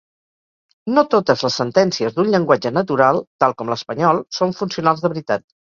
No totes les sentències d'un llenguatge natural, tal com l'espanyol, són funcionals de veritat.